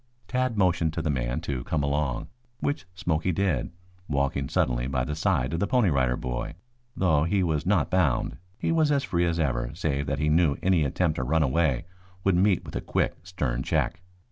Tad motioned to the man to come along, which Smoky did, walking sullenly by the side of the Pony Rider Boy, though he was not bound. He was as free as ever save that he knew any attempt to run away would meet with a quick, stern check.